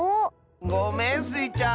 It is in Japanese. ごめんスイちゃん。